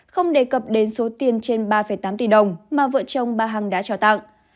không đề cập đến số tiền trên ba tám tỷ đồng mà vợ chồng bà hằng đã trao tặng